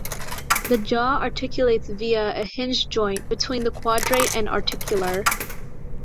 The jaw articulates via a hinge joint between the quadrate and articular.